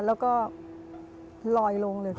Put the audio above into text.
แล้วก็ลอยลงเลยค่ะ